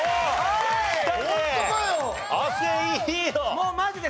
もうマジで。